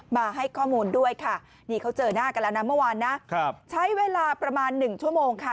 มาให้ข้อมูลด้วยค่ะนี่เขาเจอหน้ากันแล้วนะเมื่อวานนะใช้เวลาประมาณ๑ชั่วโมงค่ะ